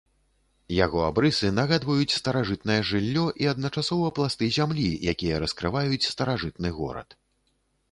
Яго абрысы нагадваюць старажытнае жыллё і адначасова пласты зямлі, якія раскрываюць старажытны горад.